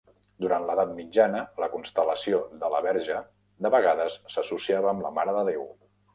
Durant l'edat mitjana, la constel·lació de la Verge de vegades s'associava amb la Mare de Déu.